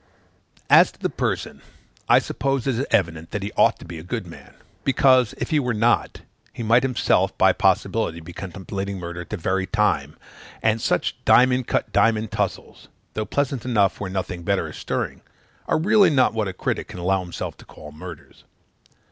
As to the person, I suppose it is evident that he ought to be a good man; because, if he were not, he might himself, by possibility, be contemplating murder at the very time; and such "diamond cut diamond" tussles, though pleasant enough where nothing better is stirring, are really not what a critic can allow himself to call murders.